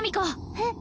えっ？